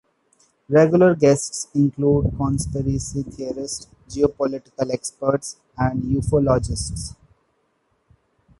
Regular guests include conspiracy theorists, geopolitical experts, and ufologists.